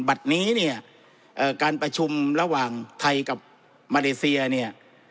บัดนี้การประชุมระหว่างไทยกับมาเลเซีย